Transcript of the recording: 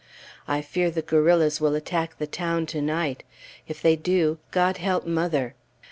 I fear the guerrillas will attack the town to night; if they do, God help mother!